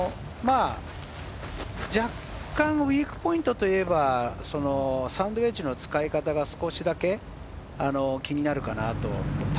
若干ウイークポイントといえば、サンドウエッジの使い方が少しだけ気になるかなと。